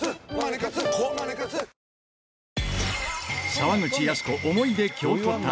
沢口靖子思い出京都旅。